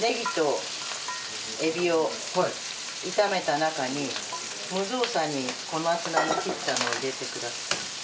ネギとエビを炒めた中に無造作に小松菜の切ったのを入れてください。